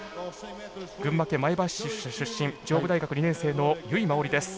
群馬県前橋市出身上武大学２年生の由井真緒里です。